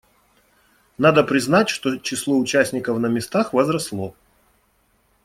Надо признать, что число участников на местах возросло.